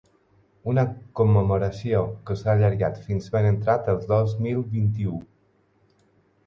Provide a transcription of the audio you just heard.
Una commemoració que s’ha allargat fins ben entrat el dos mil vint-i-u.